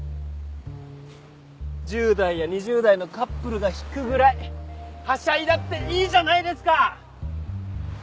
１０代や２０代のカップルが引くぐらいはしゃいだっていいじゃないですか！